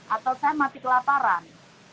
atau saya mati kelaparan